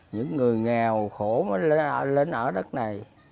những người nghèo khổ mới lên ở đất này